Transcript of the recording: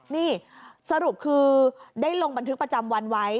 นี่สรุปคือได้ลงบันทึกประจำวันไว้